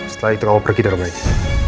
setelah itu kamu pergi dari sini